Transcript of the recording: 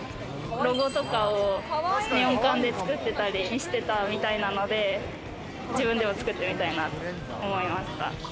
ロゴとかをネオン管で作ってたりしてたみたいなので、自分でも作ってみたいなって思いました。